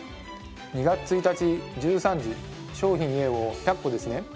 ２月１日１３時商品Ａを１００個ですね。